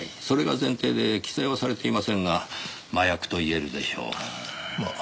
それが前提で規制はされていませんが麻薬と言えるでしょう。